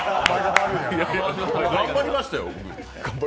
頑張りましたよ、僕。